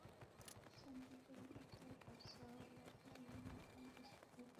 চাল বিতরণের সময় কার্ড ছাড়াও এলাকার অন্য দুস্থ ব্যক্তিরা চলে আসেন।